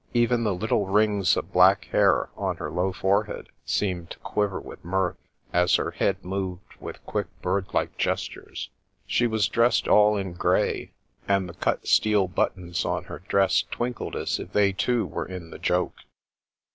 Even the little rings of black hair on her 176 Enter the Contessa 177 low forehead seemed to quiver with mirth, as her head moved with quick, bird like gestures. She was dressed all in grey, and the cut sted buttons on her dress twinkled as if they too were in the joke.